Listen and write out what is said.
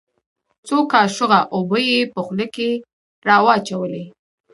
څو کاشوغه اوبه يې په خوله کښې راواچولې.